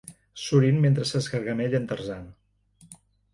Surin mentre s'esgargamella en Tarzan.